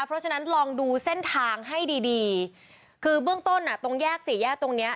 เพราะฉะนั้นลองดูเส้นทางให้ดีดีคือเบื้องต้นอ่ะตรงแยกสี่แยกตรงเนี้ย